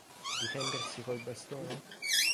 Difendersi col bastone?